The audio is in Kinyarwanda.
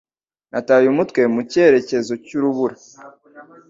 Nataye umutwe mu cyerekezo cy'urubura.